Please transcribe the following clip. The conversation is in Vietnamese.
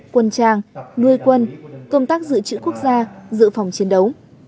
quân trang nuôi quân công tác giữ trữ quốc gia giữ phòng chiến đấu